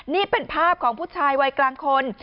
นี่เป็นภาพของผู้ชายวัยกลางคน